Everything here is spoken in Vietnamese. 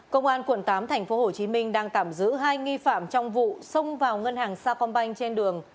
công an quận tám tp hcm đang tạm giữ hai nghi phạm trong vụ xông vào ngân hàng sa phong banh trên đường